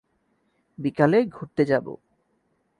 বিকালে ঘুরতে যাবো।